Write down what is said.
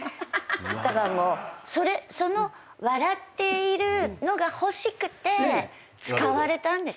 だからもうその笑っているのが欲しくて使われたんですよ。